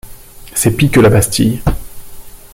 C’est pis que la Bastille.